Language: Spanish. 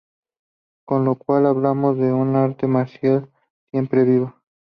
Con lo cual hablamos de un arte marcial siempre vivo.